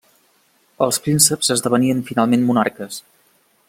Els prínceps esdevenien finalment monarques.